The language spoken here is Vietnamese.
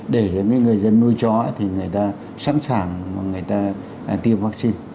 để những người dân nuôi chó thì người ta sẵn sàng người ta tiêm vaccine